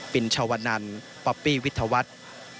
ินชาวนันป๊อปปี้วิทยาวัฒน์